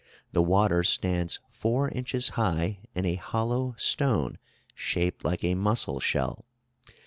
The water stands four inches high in a hollow stone shaped like a mussel shell.